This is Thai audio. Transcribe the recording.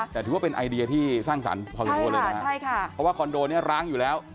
แต่ถือว่าเป็นไอเดียที่สร้างสรรค์พอสมควรเลยนะใช่ค่ะเพราะว่าคอนโดเนี่ยร้างอยู่แล้ว